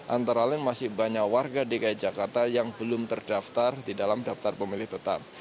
antara lain masih banyak warga dki jakarta yang belum terdaftar di dalam daftar pemilih tetap